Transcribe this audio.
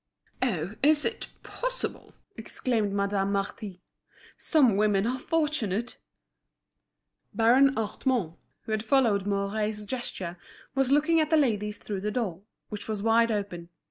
"Oh! is it possible!" exclaimed Madame Marty. "Some women are fortunate!" Baron Hartmann, who had followed Mouret's gesture, was looking at the ladies through the door, which was wide open.